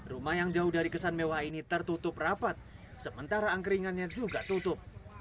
rumah yang jauh dari kesan mewah ini tertutup rapat sementara angkringannya juga tutup